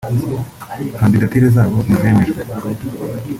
kandidatire zabo ntizemejwe